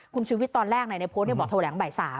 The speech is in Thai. คุณชีวิตตอนแรกในโพสต์บอกโทรแหลงบ่าย๓